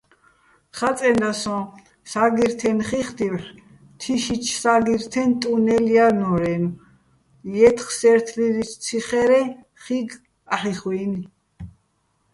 ხაწენდა სოჼ სა́გირთაჲნ ხიხდი́ვჰ̦ თიშიჩო̆ სა́გირთეჼ ტუნელ ჲანორ-აჲნო̆, ჲეთხსე́რთლილიჩო̆ ციხერეჼ ხიგო̆ აჰ̦ო̆ იხუჲნი̆.